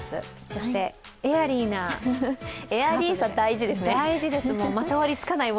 そして、エアリーなエアリーさ、大事ですね。